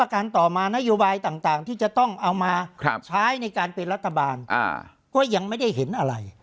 ก็ยังไม่ได้เห็นอะไร